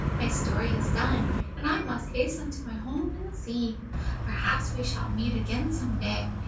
My story is done, and I must hasten to my home in the sea. Perhaps we shall meet again some day.